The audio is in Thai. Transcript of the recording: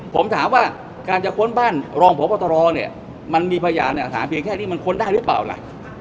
ผมถามว่าการจะค้นบ้านรองพบตรเนี่ยมันมีพยานหลักฐานเพียงแค่นี้มันค้นได้หรือเปล่าล่ะ